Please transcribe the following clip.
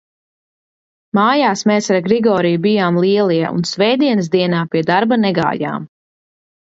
Mājās mēs ar Grigoriju bijām lielie un svētdienas dienā pie darba negājām.